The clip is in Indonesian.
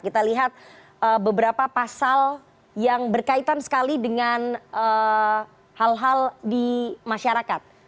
kita lihat beberapa pasal yang berkaitan sekali dengan hal hal di masyarakat